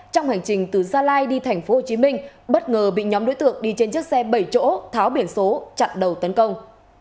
trong hành trình từ gia lai đi thành phố hồ chí minh bất ngờ bị nhóm đối tượng đi trên chiếc xe bảy chỗ tháo biển số chặn đầu tấn công